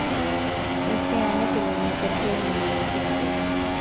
Ese año terminó tercero en el mundial de pilotos.